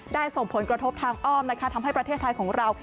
ส่งผลกระทบทางอ้อมนะคะทำให้ประเทศไทยของเรา